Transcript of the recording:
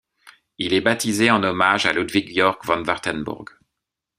Il est baptisé en hommage à Ludwig Yorck von Wartenburg.